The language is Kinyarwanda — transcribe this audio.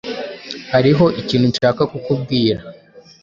Hariho ikintu nshaka kukubwira.